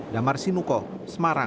damar sinuko semarang